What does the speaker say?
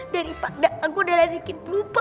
dari pakda aku udah lari sedikit lupa